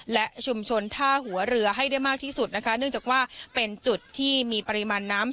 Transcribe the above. และชุมชนท่าหัวเรือให้ได้มากที่สุดนะคะเนื่องจากว่าเป็นจุดที่มีปริมาณน้ำ